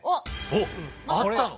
おっあったの？